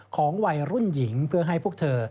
ของวัยรุ่นหญิงเพื่อให้พวกเธอ